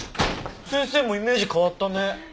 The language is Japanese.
先生もイメージ変わったね。